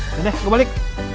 udah deh gue balik